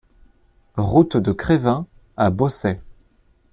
Route de Crevin à Bossey